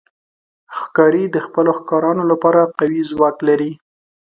ښکاري د خپلو ښکارونو لپاره قوي ځواک لري.